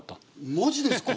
マジですか！